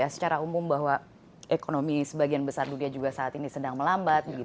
secara umum bahwa ekonomi sebagian besar dunia juga saat ini sedang melambat